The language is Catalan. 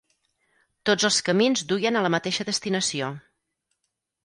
Tots els camins duien a la mateixa destinació.